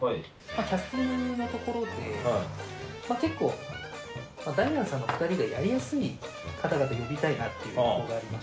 キャスティングのところで結構ダイアンさんのお二人がやりやすい方々呼びたいなっていうとこがありまして。